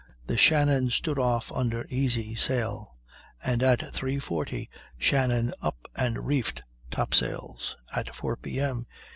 The Shannon stood off under easy sail, and at 3.40 Shannon up and reefed top sails. At 4 P.M.